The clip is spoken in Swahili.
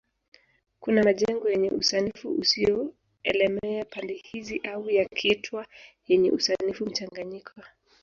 kuna majengo yenye usanifu usio elemea pande hizi au yakiitwa yenye usanifu mchanganyiko